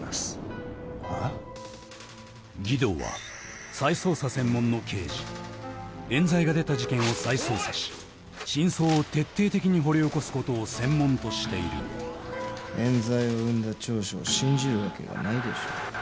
儀藤はの刑事冤罪が出た事件を再捜査し真相を徹底的に掘り起こすことを専門としている冤罪を生んだ調書を信じるわけがないでしょ。